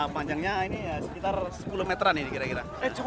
panjangnya ini sekitar sepuluh meteran ini kira kira